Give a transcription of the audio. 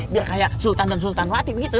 biar kayak sultan dan sultan wati begitu